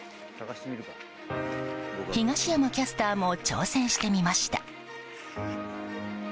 東山キャスターも挑戦してみました。